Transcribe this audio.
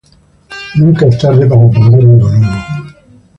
Nunca es tarde para aprender algo nuevo.